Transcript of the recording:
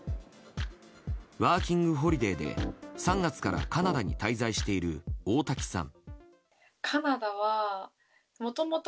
ワーキングホリデーで３月からカナダに滞在している大瀧さん。